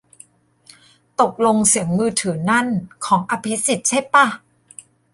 ตกลงเสียงมือถือนั่น ของอภิสิทธิ์ใช่ป่ะ